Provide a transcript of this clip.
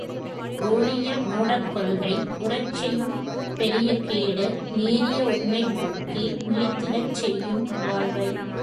ஊறிய மூடக் கொள்கை உறச்செயும் பெரிய கேடு, நேரிய உண்மைப் போக்கே நிலைத்திடச் செய்யும் வாழ்வை.